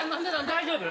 大丈夫。